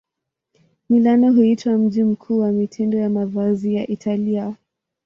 Milano huitwa mji mkuu wa mitindo ya mavazi ya Italia.